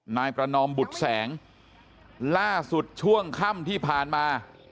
นายประนอมบุตรแสงล่าสุดช่วงค่ำที่ผ่านมา